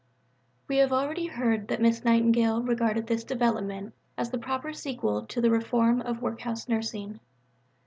We have heard already that Miss Nightingale regarded this development as the proper sequel to the reform of workhouse nursing.